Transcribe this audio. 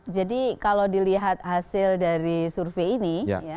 jadi kalau dilihat hasil dari survei ini